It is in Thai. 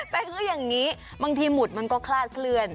แต่คือบางทีหมุดมันก็คลาดเคลื่อน